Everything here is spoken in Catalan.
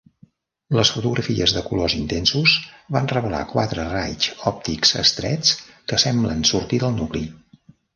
Les fotografies de colors intensos van revelar quatre raigs òptics estrets que semblen sortir del nucli.